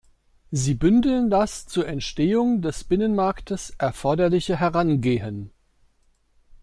Sie bündeln das zur Entstehung des Binnenmarktes erforderliche Herangehen.